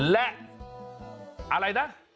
และอะไรนะ